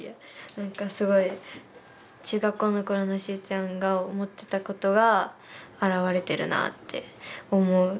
なんかすごい中学校の頃の秀ちゃんが思ってたことが表れてるなって思う。